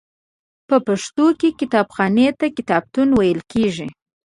په پښتو کې کتابخانې ته کتابتون ویل کیږی.